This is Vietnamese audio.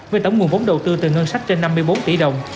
với tổng nguồn vốn đầu tư từ ngân sách trên năm mươi bốn tỷ đồng